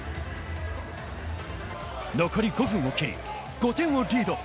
残り５分を切り５点をリード。